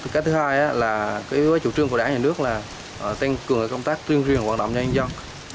cái thứ hai là chủ trương của đảng nhà nước là tăng cường công tác tuyên truyền hoạt động nhân dân